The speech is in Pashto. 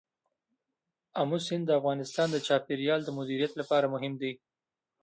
آمو سیند د افغانستان د چاپیریال د مدیریت لپاره مهم دی.